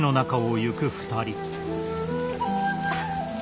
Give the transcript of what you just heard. あっ。